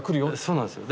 そうなんです。